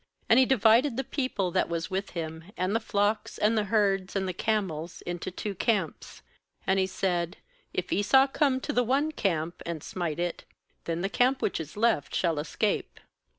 And he divided the people that was with him, and the flocks, and the herds, and the camels, into two camps. 9And he said: 'If Esau come to the one camp, and smite it, then the camp which is left shall escape.'